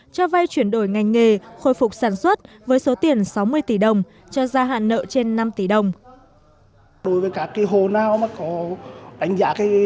cho vai chuyển đổi ngành nghề khôi phục sản xuất với số tiền sáu mươi tỷ đồng